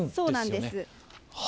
そうなんです。